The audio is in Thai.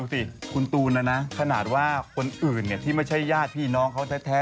สิคุณตูนนะนะขนาดว่าคนอื่นที่ไม่ใช่ญาติพี่น้องเขาแท้